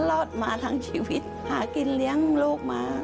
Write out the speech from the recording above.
รอดมาทั้งชีวิตหากินเลี้ยงลูกมา